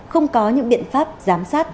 không có những biện pháp giám sát